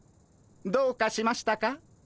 どうかしましたか？